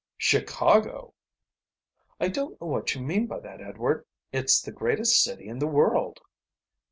"Chicago!" "I don't know what you mean by that, Edward. It's the greatest city in the world."